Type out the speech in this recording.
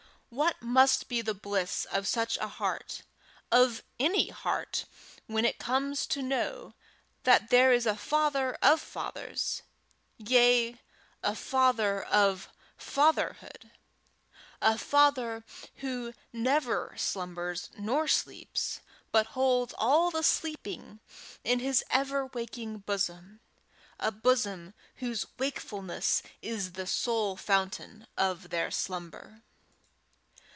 What must be the bliss of such a heart of any heart when it comes to know that there is a father of fathers, yea, a father of fatherhood! a father who never slumbers nor sleeps, but holds all the sleeping in his ever waking bosom a bosom whose wakefulness is the sole fountain of their slumber!